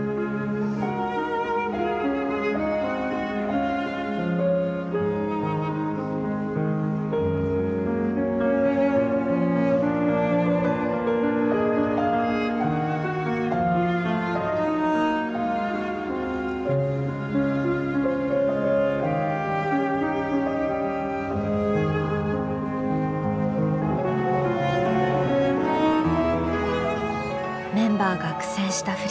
メンバーが苦戦した振り付け。